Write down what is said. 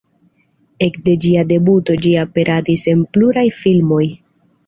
Ekde ĝia debuto ĝi aperadis en pluraj filmoj.